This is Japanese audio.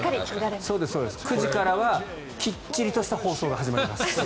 ９時からはきっちりとした放送が始まります。